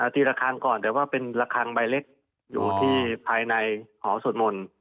ทีละครั้งก่อนแต่ว่าเป็นระคังใบเล็กอยู่ที่ภายในหอสวดมนต์